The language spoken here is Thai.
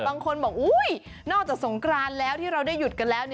บางคนบอกนอกจากสงกรานแล้วที่เราได้หยุดกันแล้ว